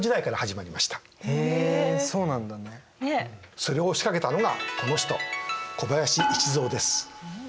それを仕掛けたのがこの人小林一三です。